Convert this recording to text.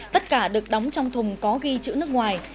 tất cả được đóng trong thùng có ghi chữ nước ngoài